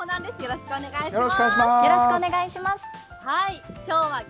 よろしくお願いします。